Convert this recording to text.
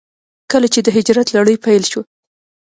کله چې د هجرت لړۍ پيل شوه.